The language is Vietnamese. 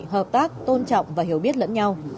hợp tác tôn trọng và hiểu biết lẫn nhau